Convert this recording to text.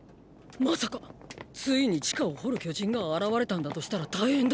まさかついに地下を掘る巨人が現れたんだとしたら大変だ。